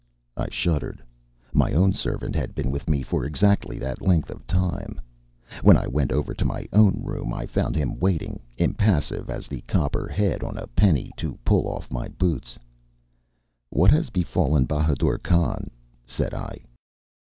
I shuddered. My own servant had been with me for exactly that length of time. When I went over to my own room I found him waiting, impassive as the copper head on a penny, to pull off my boots. "What has befallen Bahadur Khan?" said I.